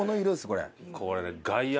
これ。